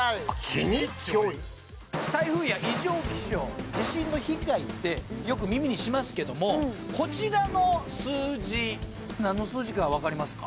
・キニチョイ台風や異常気象地震の被害ってよく耳にしますけどもこちらの数字何の数字かわかりますか？